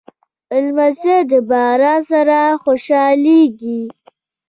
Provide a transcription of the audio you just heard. لمسی د باران سره خوشحالېږي.